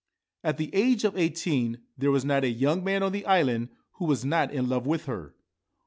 At the age of eighteen there was not a young man on the island who was not in love with her.